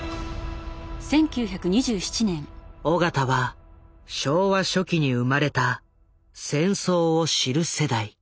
緒方は昭和初期に生まれた戦争を知る世代。